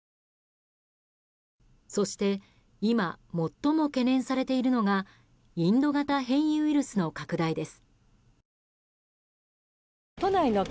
そして、今最も懸念されているのがインド型変異ウイルスの拡大です。